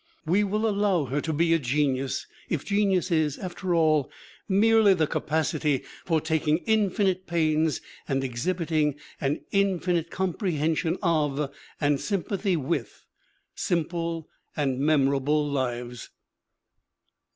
We will allow her to be a genius if genius is, after all, merely the capacity for taking infinite pains and exhibiting an infinite comprehension of and sympathy with simple and mem orable lives.